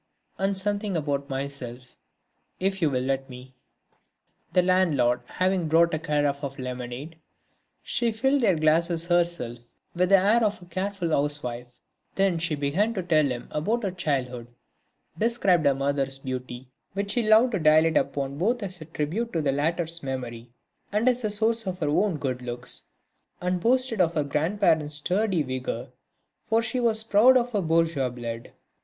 and something about myself, if you will let me." The landlord having brought a carafe of lemonade, she filled their glasses herself with the air of a careful housewife; then she began to tell him about her childhood, described her mother's beauty, which she loved to dilate upon both as a tribute to the latter's memory and as the source of her own good looks, and boasted of her grandparents' sturdy vigour, for she was proud of her bourgeois blood.